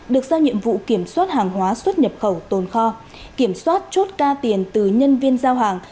được giao nhiệm vụ kiểm soát hàng hóa xuất nhập khẩu tồn kho kiểm soát chốt ca tiền từ nhân viên giao hàng